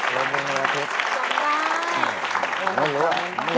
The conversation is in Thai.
ละมุมอะไรที่